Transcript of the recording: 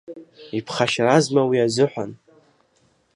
Иԥхашьаразма уи азыҳәан?